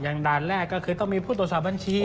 ด่านแรกก็คือต้องมีผู้ตรวจสอบบัญชี